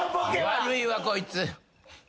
悪いわこいつ。